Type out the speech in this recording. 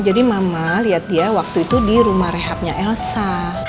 jadi mama liat dia waktu itu di rumah rehabnya elsa